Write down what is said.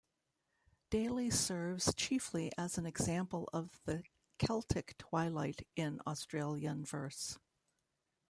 Daley serves chiefly as an example of the Celtic Twilight in Australian verse.